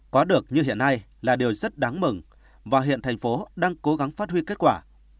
có được như hiện nay là điều rất đáng mừng và hiện thành phố đang cố gắng phát huy kết quả